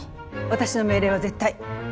私の命令は絶対。